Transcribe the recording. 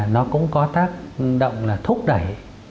nó cũng có tác động là thúc đẩy